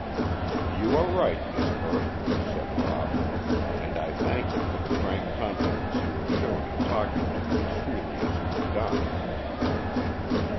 "You are right, Miss Burt," said Rob, "and I thank you for the frank confidence you have shown in talking to me as freely as you have done."